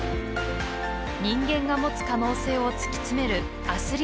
人間が持つ可能性を突き詰めるアスリートの戦い。